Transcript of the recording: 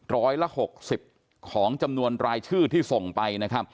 ร้อยละหกสิบของจำนวนรายชื่อที่ส่งไป